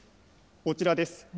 こちらです。